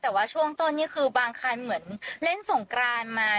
แต่ว่าช่วงต้นนี่คือบางคันเหมือนเล่นสงกรานมา